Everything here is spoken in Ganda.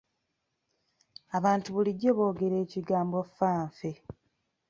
Abantu bulijjo boogera ekigambo fa nfe.